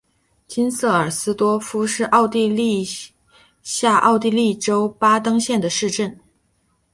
金瑟尔斯多夫是奥地利下奥地利州巴登县的一个市镇。